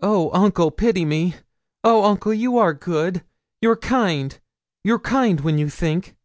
'Oh, uncle, pity me! Oh, uncle, you are good! you're kind; you're kind when you think.